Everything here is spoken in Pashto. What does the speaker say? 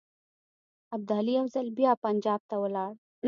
ابدالي یو ځل بیا پنجاب ته ولاړ.